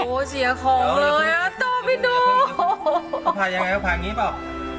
เขาอย่างไงเขาภาแบบนี้เปล่า